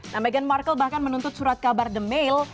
nah meghan markle bahkan menuntut surat kabar the mail